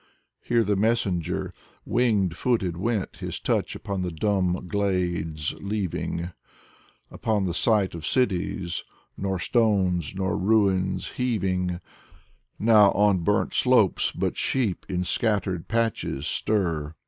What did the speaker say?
Here the messenger Wing footed went, his touch upon the dumb glades leav ing ... Upon the site of cities, nor stones, nor ruins heaving: Now on burnt slopes but sheep in scattered patches stir.